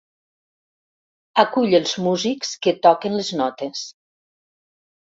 Acull els músics que toquen les notes.